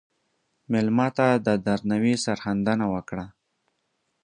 مېلمه ته د درناوي سرښندنه وکړه.